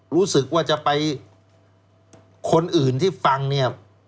รู้สึกว่าจะไปคนอื่นที่ฟังเนี่ย